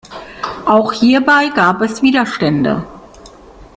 Auch hierbei gab es Widerstände.